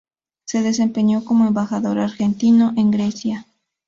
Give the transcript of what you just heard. Se desempeñó como Embajador argentino en Grecia.